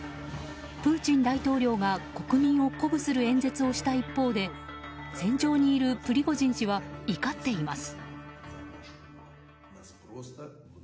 プーチン大統領が国民を鼓舞する演説をした一方で戦場にいるプリゴジン氏は怒っています。